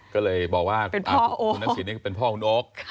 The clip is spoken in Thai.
ก็เลยบอกว่าคุณทักษิณเป็นพ่อคุณโอ๊ค